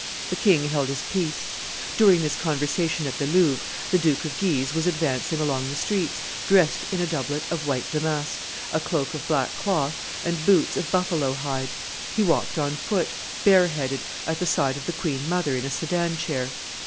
The king held his peace. During this conversation at the Louvre, the Duke of Guise was advancing along the streets, dressed in a doublet of white damask, a cloak of black cloth, and boots of buffalo hide; he walked on foot, bareheaded, at the side of the queen mother in a sedan chair.